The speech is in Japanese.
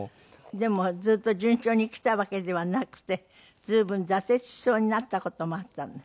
でもずっと順調に来たわけではなくて随分挫折しそうになった事もあったんです？